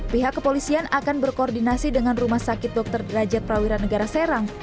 pihak kepolisian akan berkoordinasi dengan rumah sakit dr derajat prawira negara serang